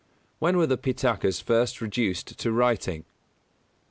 _When were the Pitakas first reduced to writing?